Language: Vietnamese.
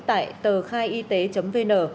tại tờ khaiyt vn